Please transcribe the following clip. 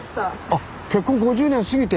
あっ結婚５０年過ぎて。